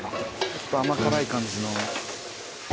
ちょっと甘辛い感じの。